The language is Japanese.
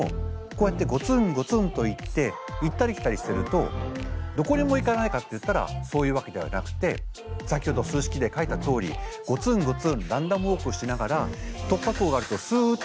こうやってゴツンゴツンといって行ったり来たりしてるとどこにも行かないかっていったらそういうわけではなくて先ほど数式で書いたとおりゴツンゴツンランダムウォークしながら突破口があるとすっと行く。